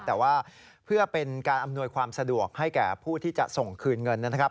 แต่ว่าเพื่อเป็นการอำนวยความสะดวกให้แก่ผู้ที่จะส่งคืนเงินนะครับ